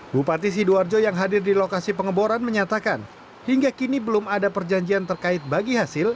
bupati sidoarjo yang hadir di lokasi pengeboran menyatakan hingga kini belum ada perjanjian terkait bagi hasil